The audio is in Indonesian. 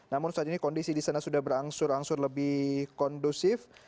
namun saat ini kondisi di sana sudah berangsur angsur lebih kondusif